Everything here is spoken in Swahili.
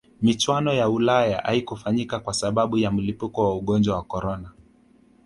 michuano ya ulaya haikufanyika kwa sababu ya mlipuko wa ugonjwa wa corona